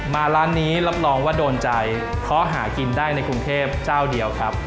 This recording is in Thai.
ร้านนี้รับรองว่าโดนใจเพราะหากินได้ในกรุงเทพเจ้าเดียวครับ